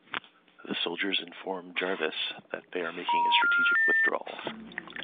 The soldiers inform Jarvess that they are making a "strategic withdrawal".